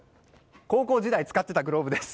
高校時代使っていたグローブです。